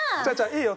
「いいよ」。